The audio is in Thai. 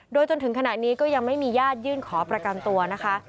โดยจนถึงขณะนี้ก็ยังไม่มีญาติยื่นขอประกันตัวนะคะ